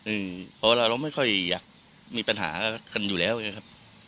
เพราะว่าเราไม่ค่อยอยากมีปัญหากันอยู่แล้วไงครับ